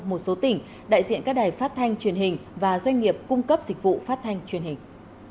một số tỉnh đại diện các đài phát thanh truyền hình và doanh nghiệp cung cấp dịch vụ phát thanh truyền hình